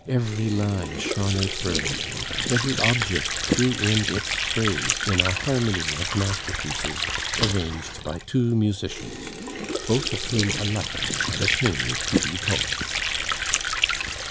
Every line shone out brilliantly, every object threw in its phrase in a harmony of masterpieces arranged by two musicians both of whom alike had attained to be poets.